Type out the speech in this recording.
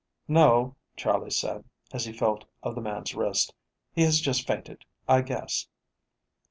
"No," Charley said, as he felt of the man's wrist. "He has just fainted, I guess.